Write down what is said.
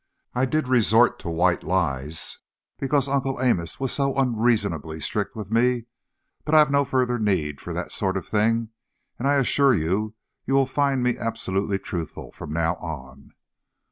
I did resort to 'white lies' because Uncle Amos was so unreasonably strict with me, but I've no further need for that sort of thing, and I assure you you will find me absolutely truthful from now on."